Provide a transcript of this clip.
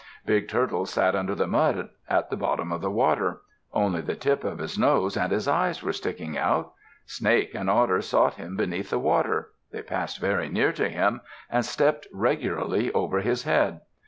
Big Turtle sat under the mud at the bottom of the water. Only the tip of his nose and his eyes were sticking out. Snake and Otter sought him beneath the water. They passed very near to him, and stepped regularly over his head.